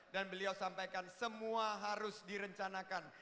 dan beliau sampaikan semua harus direncanakan